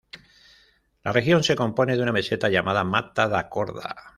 La región se compone de una meseta llamada Mata da Corda.